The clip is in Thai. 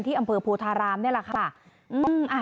อำเภอโพธารามนี่แหละค่ะ